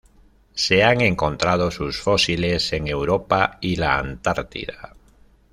Se han encontrado sus fósiles en Europa y la Antártida.